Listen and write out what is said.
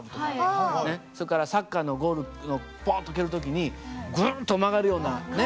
それからサッカーのゴールのポッと蹴る時にグルンと曲がるようなね。